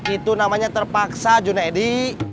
itu namanya terpaksa junedi